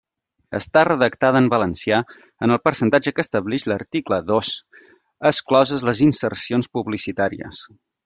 Estar redactada en valencià en el percentatge que establix l'article dos, excloses les insercions publicitàries.